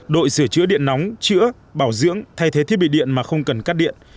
đội sửa chữa điện nóng chữa bảo dưỡng thay thế thiết bị điện mà không cần cắt điện